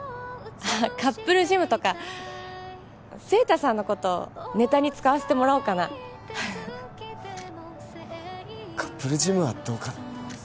ああカップルジムとか晴太さんのことネタに使わせてもらおうかなカップルジムはどうかな